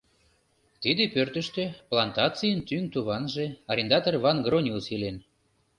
Тиде пӧртыштӧ плантацийын тӱҥ туванже, арендатор Ван-Грониус илен.